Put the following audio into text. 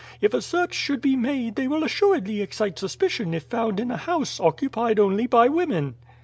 If a search should be made they will assuredly excite suspicion if found in a house occupied only by women."